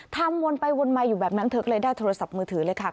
วนไปวนมาอยู่แบบนั้นเธอก็เลยได้โทรศัพท์มือถือเลยค่ะ